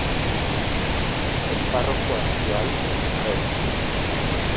El párroco actual, Rev.